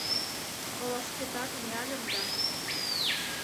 Олашкетат мияльым да